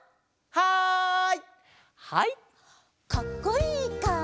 はい。